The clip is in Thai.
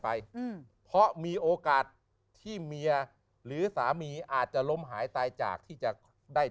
ไปอืมเพราะมีโอกาสที่เมียหรือสามีอาจจะล้มหายตายจากที่จะได้